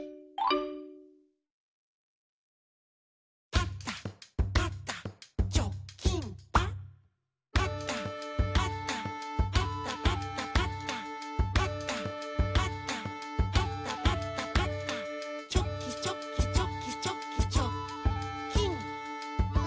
「パタパタパタパタパタ」「パタパタパタパタパタ」「チョキチョキチョキチョキチョッキン！」